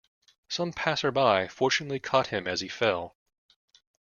Some passersby fortunately caught him as he fell.